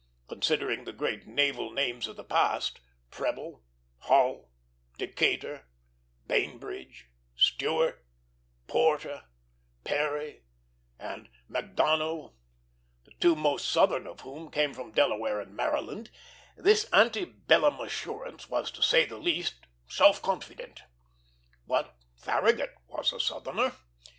Considering the great naval names of the past, Preble, Hull, Decatur, Bainbridge, Stewart, Porter, Perry, and Macdonough, the two most Southern of whom came from Delaware and Maryland, this ante bellum assurance was, to say the least, self confident; but Farragut was a Southerner.